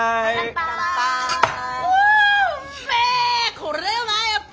これだよなやっぱ！